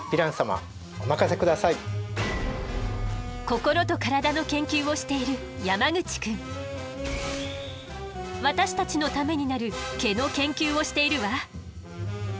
心と体の研究をしている私たちのためになる毛の研究をしているわ。